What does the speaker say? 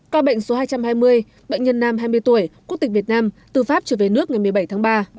ca bệnh số hai trăm hai mươi bệnh nhân nam hai mươi tuổi quốc tịch việt nam từ pháp trở về nước ngày một mươi bảy tháng ba